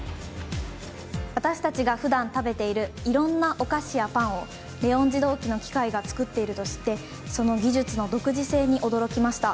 私たちがふだん食べているいろんなお菓子やパンをレオン自動機の機械が作っていると知ってその技術の独自性に驚きました。